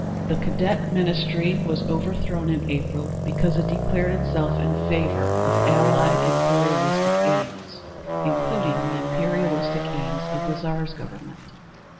The Cadet Ministry was overthrown in April because it declared itself in favour of Allied imperialistic aims, including the imperialistic aims of the Tsar's Government.